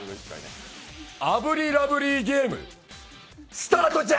炙りラブリーゲームスタートじゃ！